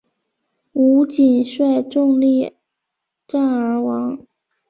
吴瑾率众力战而亡。